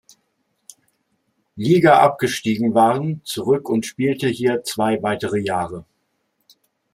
Liga abgestiegen waren, zurück und spielte hier zwei weitere Jahre.